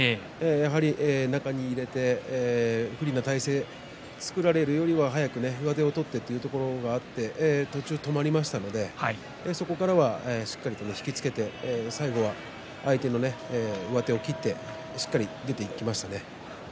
やはり中に入れて不利な体勢を作られるよりは早く上手を取ってというところがあって途中止まりましたのでそこからはしっかりと引き付けて最後は相手の上手を切ってしっかりと出ていきましたね。